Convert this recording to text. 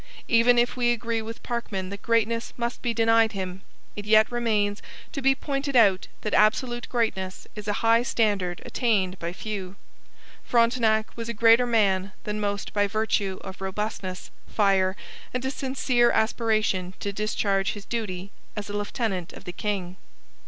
Even if we agree with Parkman that greatness must be denied him, it yet remains to be pointed out that absolute greatness is a high standard attained by few. Frontenac was a greater man than most by virtue of robustness, fire, and a sincere aspiration to discharge his duty as a lieutenant of the king.